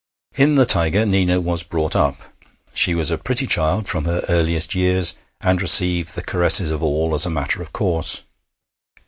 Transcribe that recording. In the Tiger Nina was brought up. She was a pretty child from her earliest years, and received the caresses of all as a matter of course.